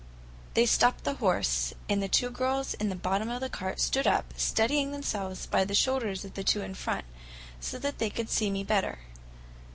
They stopped the horse, and the two girls in the bottom of the cart stood up, steadying themselves by the shoulders of the two in front, so that they could see me better.